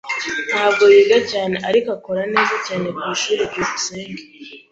Ntabwo yiga cyane, ariko akora neza cyane kwishuri. byukusenge